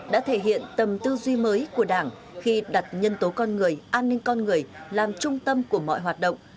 đã thể hiện tầm tư duy mới của đảng khi đặt nhân tố con người an ninh con người làm trung tâm của mọi hoạt động